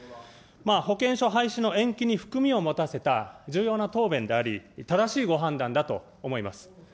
保険証廃止の延期に含みを持たせた重要な答弁であり、正しいご判断だと思います。